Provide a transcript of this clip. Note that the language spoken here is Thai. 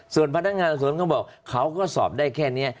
ส่วนพนักงานสวนเขาบอกเขาก็สอบได้แค่นี้